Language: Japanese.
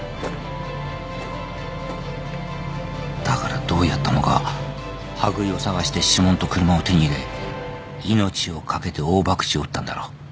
だからどうやったのか羽喰を捜して指紋と車を手に入れ命を懸けて大ばくちを打ったんだろう。